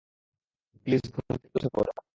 Please ঘুম থেকে উঠে পড়ো।